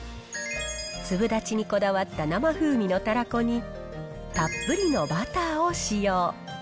粒立ちにこだわった生風味のたらこに、たっぷりのバターを使用。